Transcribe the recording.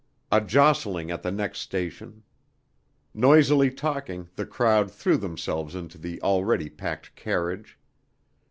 A jostling at the next station. Noisily talking, the crowd threw themselves into the already packed carriage.